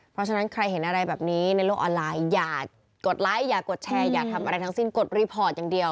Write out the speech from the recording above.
เพราะฉะนั้นใครเห็นอะไรแบบนี้ในโลกออนไลน์อย่ากดไลค์อย่ากดแชร์อย่าทำอะไรทั้งสิ้นกดรีพอร์ตอย่างเดียว